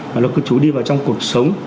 và luật cư chú đi vào trong cuộc sống